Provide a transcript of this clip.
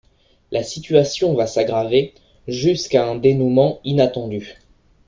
La situation va s'aggraver, jusqu'à un dénouement inattendu.